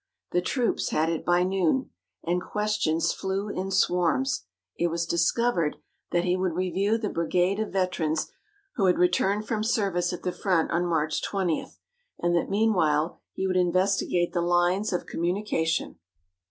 The troops had it by noon. And questions flew in swarms. It was discovered that he would review the brigade of veterans who had returned from service at the front on March 20, and that meanwhile he would investigate the lines of communication.